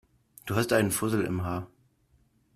Du hast da einen Fussel im Haar.